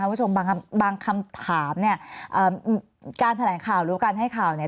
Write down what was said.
คุณผู้ชมบางคำถามเนี่ยการแถลงข่าวหรือการให้ข่าวเนี่ย